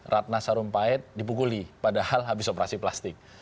ratna sarumpait dipukuli padahal habis operasi plastik